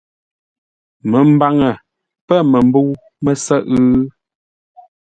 Məmbaŋə pə̂ məmbə̂u mə́sə́ghʼə́?